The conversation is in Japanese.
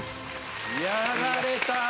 やられた！